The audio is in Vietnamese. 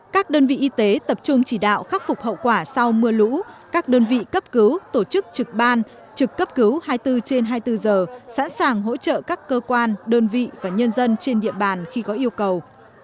các đơn vị y tế tập trung chỉ đạo khắc phục hậu quả sau mưa lũ các đơn vị cấp cứu tổ chức trực ban trực cấp cứu hai mươi bốn trên hai mươi bốn giờ sẵn sàng hỗ trợ các cơ quan đơn vị và nhân dân trên địa bàn khi có yêu cầu